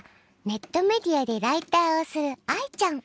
ネットメディアでライターをする愛ちゃん。